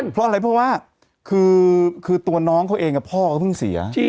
เพราะอะไรเพราะว่าคือตัวน้องเขาเองกับพ่อเขาเพิ่งเสีย